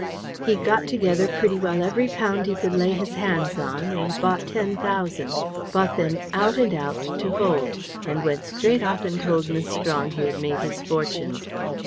He got together pretty well every pound he could lay his hands on, and bought ten thousand bought them out and out, to hold and went straight off and told Miss Strong he had made his fortune.